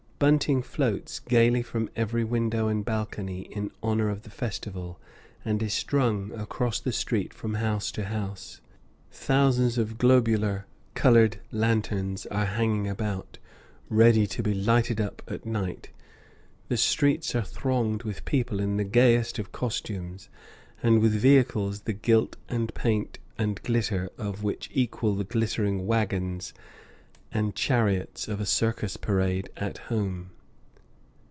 Bunting floats gayly from every window and balcony, in honor of the festival, and is strung across the street from house to house. Thousands of globular colored lanterns are hanging about, ready to be lighted up at night. The streets are thronged with people in the gayest of costumes, and with vehicles the gilt and paint and glitter of which equal the glittering wagons and chariots of a circus parade at home.